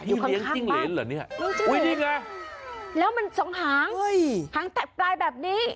อยู่ข้างเหรนเหรอเนี่ยอุ้ยนี่ไงแล้วมันสองหางหางแตะปลายแบบนี้